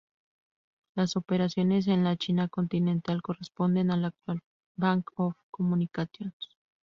Las operaciones en la China continental corresponden al actual Bank of Communications.